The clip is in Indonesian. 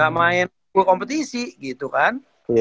gak main kompetisi gitu kan